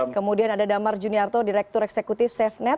kemudian ada damar juniarto direktur eksekutif safenet